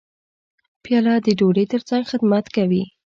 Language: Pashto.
پیاله د ډوډۍ ترڅنګ خدمت کوي.